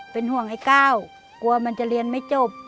เป็นห่วงไอ้ก้าวกลัวมันจะเรียนไม่จบ